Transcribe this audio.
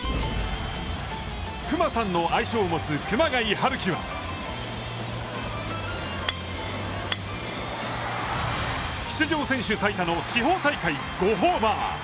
クマさんの愛称を持つ熊谷陽輝は出場選手最多の地方大会５ホーマー。